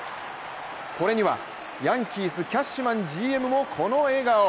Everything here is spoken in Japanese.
これにはヤンキース・キャッシュマンＧＭもこの笑顔。